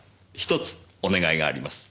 １つお願いがあります。